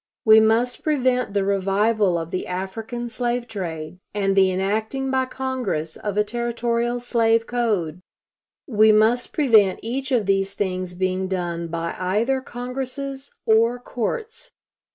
We must prevent the revival of the African slave trade, and the enacting by Congress of a Territorial slave code. We must prevent each of these things being done by either congresses or courts.